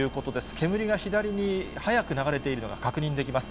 煙が左に速く流れているのが、確認できます。